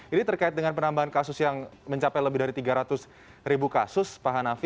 ini terkait dengan penambahan kasus yang mencapai lebih dari tiga ratus ribu kasus pak hanafi